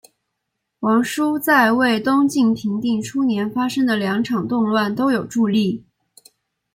王舒在为东晋平定初年发生的两场动乱都有助力。